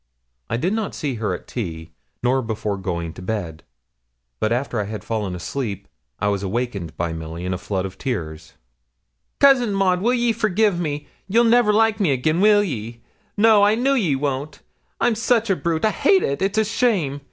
I did not see her at tea, nor before going to bed; but after I had fallen asleep I was awakened by Milly, in floods of tears. 'Cousin Maud, will ye forgi' me you'll never like me again, will ye? No I know ye won't I'm such a brute I hate it it's a shame.